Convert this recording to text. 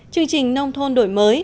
chương trình nông thôn đổi mới